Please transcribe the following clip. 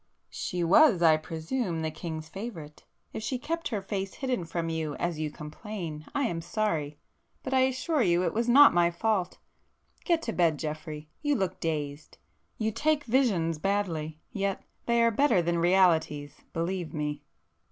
"'She' was, I presume, the King's favourite. If she kept her face hidden from you as you complain, I am sorry!—but I assure you it was not my fault! Get to bed, Geoffrey,—you look dazed. You take visions badly,—yet they are better than realities, believe me!"